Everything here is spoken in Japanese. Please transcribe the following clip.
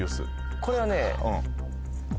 これはね。